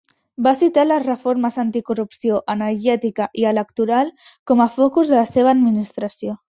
Va citar les reformes anticorrupció, energètica i electoral com a focus de la seva administració.